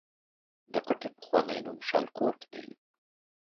د کوټې پخوانی نوم شالکوټ دی